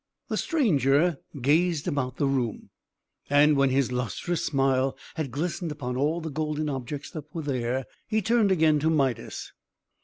The stranger gazed about the room; and when his lustrous smile had glistened upon all the golden objects that were there, he turned again to Midas.